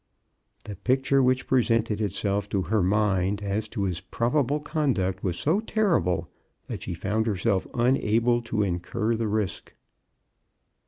The picture which presented itself to her mind as to his probable conduct was so terrible that she found herself unable to incur the risk.